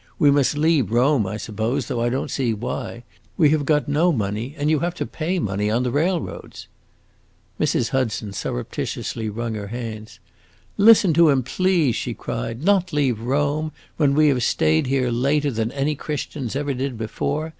We must leave Rome, I suppose, though I don't see why. We have got no money, and you have to pay money on the railroads." Mrs. Hudson surreptitiously wrung her hands. "Listen to him, please!" she cried. "Not leave Rome, when we have staid here later than any Christians ever did before!